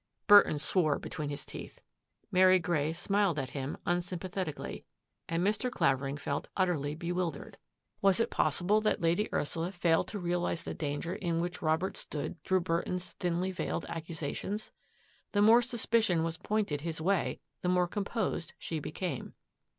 Burton swore between his teeth, Mary Grey smiled at him unsympathetically, and Mr. Claver ing felt utterly bewildered. Was it possible that 104 THAT AFFAIR AT THE MANOR Lady Ursula failed to realise the danger in which Robert stood through Burton's thinly veiled ac cusations? The more suspicion was pointed his way, the more composed she became.